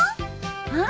うん。